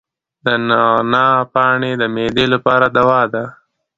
د نعناع پاڼې د معدې لپاره دوا ده.